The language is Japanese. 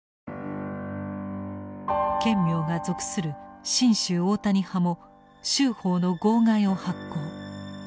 顕明が属する真宗大谷派も宗報の号外を発行。